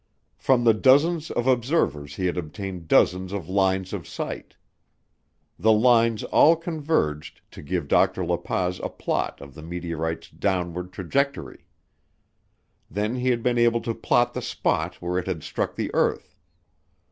From the dozens of observers he had obtained dozens of lines of sight. The lines all converged to give Dr. La Paz a plot of the meteorite's downward trajectory. Then he had been able to plot the spot where it had struck the earth.